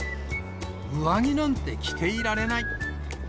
上着なんて着ていられない。